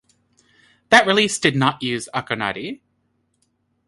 That release did not use Akonadi.